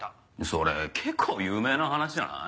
それ結構有名な話じゃない？